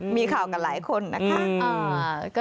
มีข่าวกันหลายคนนะคะ